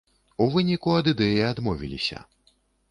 У выніку ад ідэі адмовіліся.